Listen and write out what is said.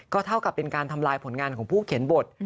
เท่ากับเป็นการทำลายผลงานของผู้เขียนบท